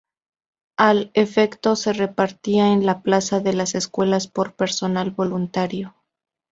Al efecto se repartía en la plaza de las Escuelas por personal voluntario.